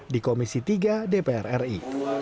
di komisi tiga dpr ri